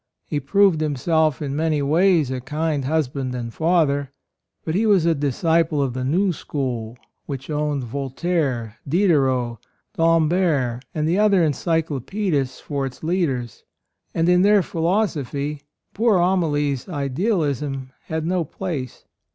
He proved himself in many ways a kind husband and father; but he was a disciple of the new school, which owned Voltaire, Diderot, D'Alembert and the other Encyclopedists for its leaders ; and in their philosophy poor Amalie's idealism had no place.